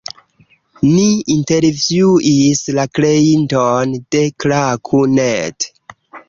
Ni intervjuis la kreinton de Klaku.net.